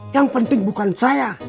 yang penting bukan saya